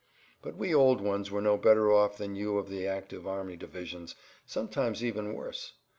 But we old ones were no better off than you of the active army divisions—sometimes even worse.